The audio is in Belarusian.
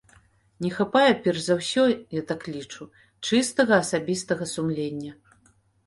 Не хапае, перш за ўсе, я так лічу, чыстага асабістага сумлення.